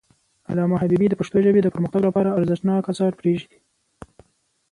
علامه حبيبي د پښتو ژبې د پرمختګ لپاره ارزښتناک آثار پریښي دي.